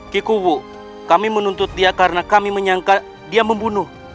kikuu kami menuntut dia karena kami menyangka dia membunuh